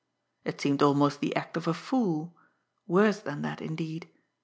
It seemed almost the act of a fool worse than that, indeed!